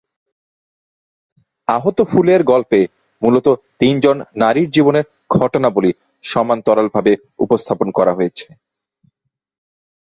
আহত ফুলের গল্পে মূলত তিনজন নারীর জীবনের ঘটনাবলি সমান্তরাল ভাবে উপস্থাপন করা হয়েছে।